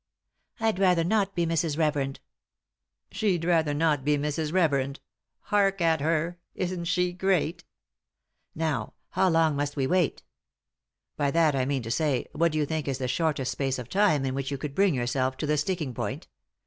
'"" I'd rather not be Mrs. Reverend." "She'd rather not be Mrs. Reverend 1 — bark at her I — isn't she great ? Now — now how long must we wait ? By that I mean to say, what do you think is the shortest space of time in which you could bring yourself to the sticking point